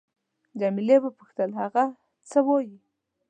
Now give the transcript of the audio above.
جميله وپوښتل: هغه څه وایي؟